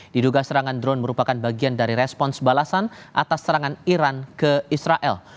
diduga serangan drone merupakan bagian dari respons balasan atas serangan iran ke israel